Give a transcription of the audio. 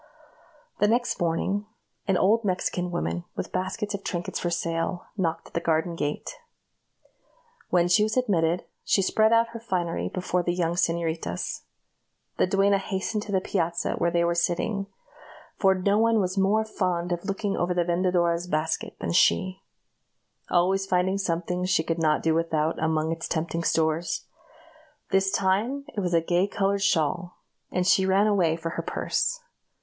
The next morning, an old Mexican woman, with baskets of trinkets for sale, knocked at the garden gate. When she was admitted, she spread out her finery before the young señoritas. The duenna hastened to the piazza where they were sitting for no one was more fond of looking over the vendedora's basket than she, always finding something she could not do without among its tempting stores this time it was a gay colored shawl, and she ran away for her purse.